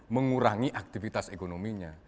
mengurangi aktivitas ekonominya